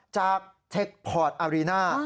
จากเทคพอร์ทอารีน่า